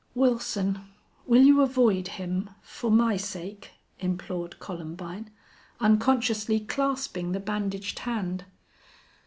"Wilson, will you avoid him for my sake?" implored Columbine, unconsciously clasping the bandaged hand.